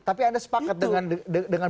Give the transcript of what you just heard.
tapi anda sepakat dengan